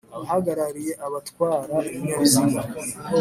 abahagarariye abatwara ibinyabiziga;